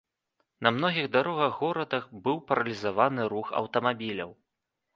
На многіх дарогах горада быў паралізаваны рух аўтамабіляў.